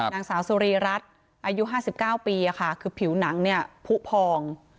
นางสาวสุรีรัฐอายุ๕๙ปีคือผิวหนังเนี่ยผู้พอง